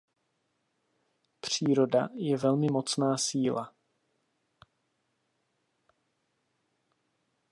Příroda je velmi mocná síla.